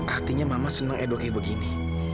artinya mama senang edo e begini